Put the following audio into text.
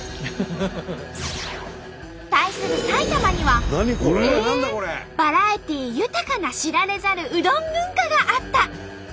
対する埼玉にはバラエティー豊かな知られざるうどん文化があった。